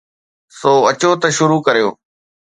سو اچو ته شروع ڪريون.